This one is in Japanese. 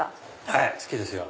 はい好きですよ。